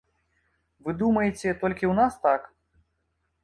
Вы думаеце, толькі ў нас так?